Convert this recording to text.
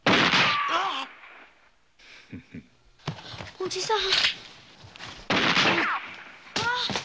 おじさん！